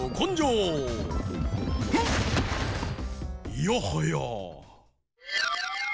いやはや！